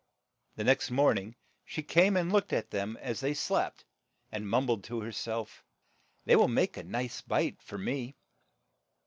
The next morn ing she came and looked at them as they slept, and mum bled to her self, ''They will make a nice bite for me."